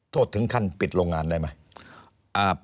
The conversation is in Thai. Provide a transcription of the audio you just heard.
โทษถึงขั้นปิดโรงงานได้ไหม